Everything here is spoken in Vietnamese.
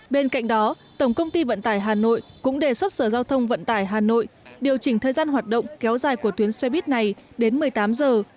bên cạnh đó tổng công ty vận tải hà nội cũng đề xuất sở giao thông vận tải hà nội điều chỉnh thời gian hoạt động kéo dài của tuyến xe buýt này đến một mươi tám giờ